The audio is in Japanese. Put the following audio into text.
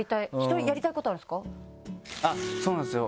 そうなんですよ